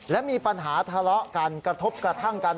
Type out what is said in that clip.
และมีปัญหาทะเลาะกันกระทบกระทั่งกัน